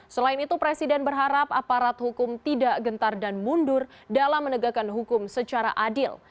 selain itu presiden berharap aparat hukum tidak gentar dan mundur dalam menegakkan hukum secara adil